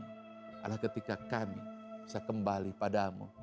adalah ketika kami bisa kembali padamu